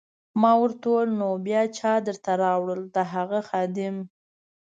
ما ورته وویل: نو بیا چا درته راوړل؟ د هغه خادم.